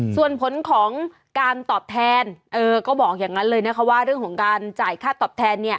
ส่วนผลของการตอบแทนก็บอกอย่างนั้นเลยนะคะว่าเรื่องของการจ่ายค่าตอบแทนเนี่ย